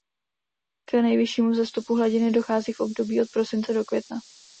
K nejvyššímu vzestupu hladiny dochází v období od prosince do května.